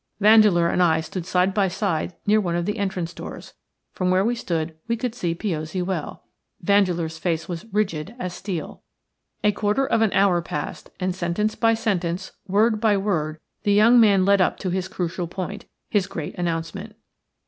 Vandeleur and I stood side by side near one of the entrance doors. From where we stood we could see Piozzi well. Vandeleur's face was rigid as steel. A quarter of an hour passed, and sentence by sentence, word by word, the young man led up to his crucial point – his great announcement.